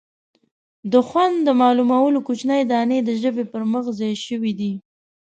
د خوند د معلومولو کوچنۍ دانې د ژبې پر مخ ځای شوي دي.